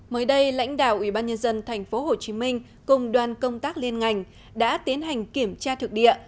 mới đây lãnh đạo ubnd tp hcm cùng đoàn công tác liên ngành đã tiến hành kiểm tra thực địa